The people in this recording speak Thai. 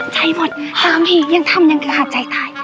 ใช่หมดห้ามพี่ยังทำอย่างคือหาดใจตาย